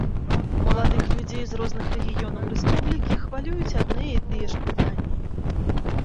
Маладых людзей з розных рэгіёнаў рэспублікі хвалююць адны і тыя ж пытанні.